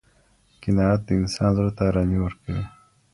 قناعت د انسان زړه ته ارامي ورکوي.